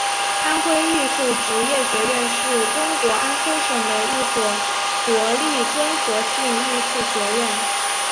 安徽艺术职业学院是中国安徽省的一所国立综合性艺术学院。